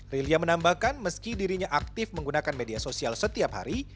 rilia menambahkan meski dirinya aktif menggunakan media sosial setiap hari